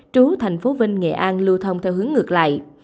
trú thành phố vinh nghệ an lưu thông theo hướng ngược lại